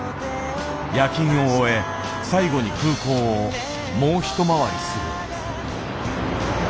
夜勤を終え最後に空港をもう一回りする。